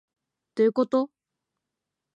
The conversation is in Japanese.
どういうこと